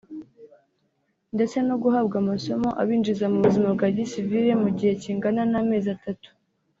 ndetse no guhabwa amasomo abinjiza mu buzima bwa gisivili mu gihe kingana n’amezi atatu